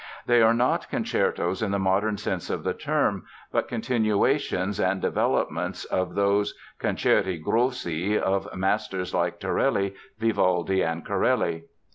They are not concertos in the modern sense of the term, but continuations and developments of those "concerti grossi" of masters like Torelli, Vivaldi, and Corelli.